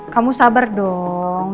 kamu sabar dong